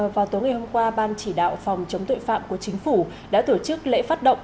vào tối ngày hôm qua ban chỉ đạo phòng chống tội phạm của chính phủ đã tổ chức lễ phát động